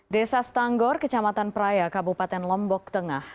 desa stanggor kecamatan praia kabupaten lombok tengah